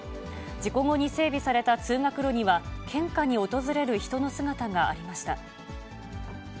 事故後に整備された通学路には、献花に訪れる人の姿がありました。